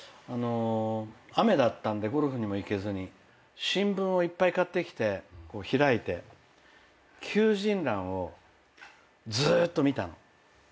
雨だったんでゴルフにも行けずに新聞をいっぱい買ってきて開いて求人欄をずーっと見たの。